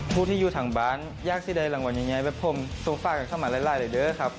ผู้ที่อยู่ถังบานยากสิได้รางวัลยังไงไปพร้อมโซฟ่ากันเข้ามาไล่เลยเด้อครับ